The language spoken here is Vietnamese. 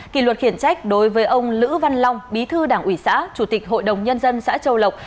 kỷ luật khiển trách đối với ông lữ văn long bí thư đảng ủy xã chủ tịch hội đồng nhân dân xã châu lộc